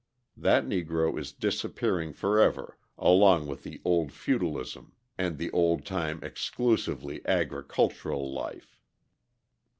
That Negro is disappearing forever along with the old feudalism and the old time exclusively agricultural life.